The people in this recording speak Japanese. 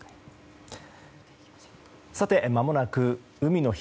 まもなく海の日。